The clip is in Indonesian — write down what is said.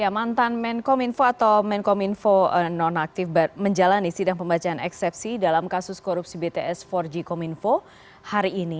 mantan menkominfo atau menkominfo nonaktif menjalani sidang pembacaan eksepsi dalam kasus korupsi bts empat g kominfo hari ini